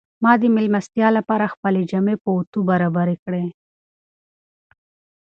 ما د مېلمستیا لپاره خپلې جامې په اوتو برابرې کړې.